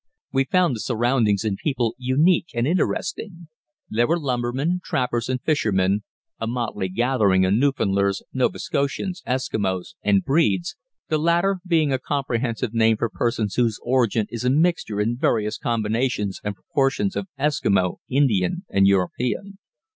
We found the surroundings and people unique and interesting. There were lumbermen, trappers, and fishermen a motley gathering of Newfoundlanders, Nova Scotians, Eskimos and "breeds," the latter being a comprehensive name for persons whose origin is a mixture in various combinations and proportions of Eskimo, Indian, and European.